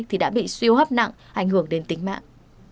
thì đã bị suy hấp nặng ảnh hưởng đến tính mạng